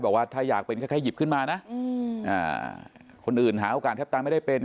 บอกว่าถ้าอยากเป็นก็แค่หยิบขึ้นมานะคนอื่นหาโอกาสแทบตาไม่ได้เป็น